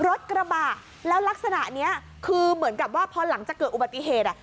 รถกระบะแล้วลักษณะนี้คือเหมือนกับว่าพอหลังจากเกิดอุบัติเหตุอ่ะ